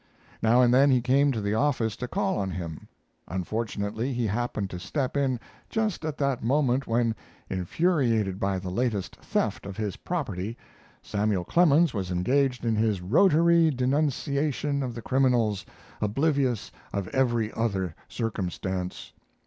Now and then he came to the office to call on him. Unfortunately, he happened to step in just at that moment when, infuriated by the latest theft of his property, Samuel Clemens was engaged in his rotary denunciation of the criminals, oblivious of every other circumstance.